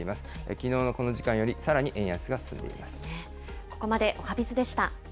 きのうのこの時間より、さらに円安が進んでいます。